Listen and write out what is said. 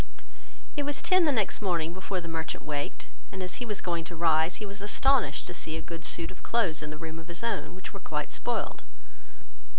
It was ten the next morning before the merchant waked, and as he was going to rise, he was astonished to see a good suit of clothes in the room of his own, which were quite spoiled.